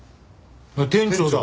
店長だ。